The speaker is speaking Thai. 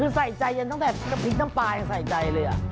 ใส่ใจอย่างตั้งแต่พริกน้ำปลายังใส่ใจเลย